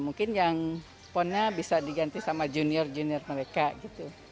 mungkin yang ponnya bisa diganti sama junior junior mereka gitu